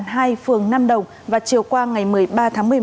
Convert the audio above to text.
phường nam đồng và chiều qua ngày một mươi ba tháng một mươi một